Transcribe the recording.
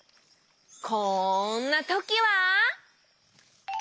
こんなときは。